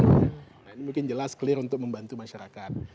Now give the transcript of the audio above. nah ini mungkin jelas clear untuk membantu masyarakat